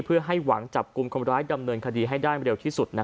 เพื่อให้หวังจับกลุ่มคนร้ายดำเนินคดีให้ได้เร็วที่สุด